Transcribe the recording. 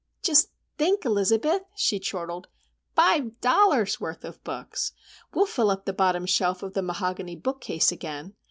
"Just think, Elizabeth!" she chortled. "Five dollars' worth of books! We'll fill up the bottom shelf of the mahogany bookcase, again.